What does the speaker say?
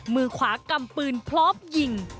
มือขวากำปืนพร้อมยิง